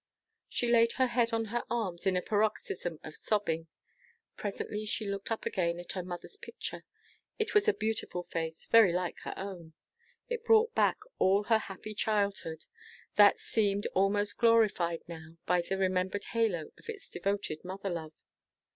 She laid her head on her arms in a paroxysm of sobbing. Presently she looked up again at her mother's picture. It was a beautiful face, very like her own. It brought back all her happy childhood, that seemed almost glorified now by the remembered halo of its devoted mother love.